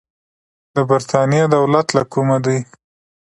د برتانیې دولت له کومه دی.